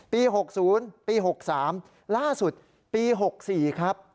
๖๐ปี๖๓ล่าสุดปี๖๔ครับ